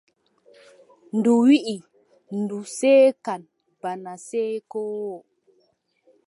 Ndu wiʼi ndu seekan bana ceekoowo.